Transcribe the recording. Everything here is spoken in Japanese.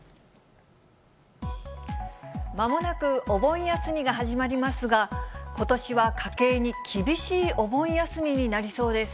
まもなくお盆休みが始まりますが、ことしは家計に厳しいお盆休みになりそうです。